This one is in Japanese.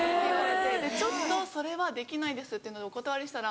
「ちょっとそれはできないです」ってお断りしたら。